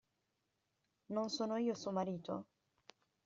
Non sono io suo marito?